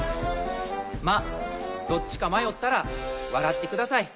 まぁどっちか迷ったら笑ってください。